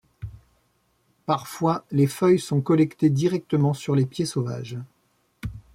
Parfois, les feuilles sont collectées directement sur les pieds sauvages.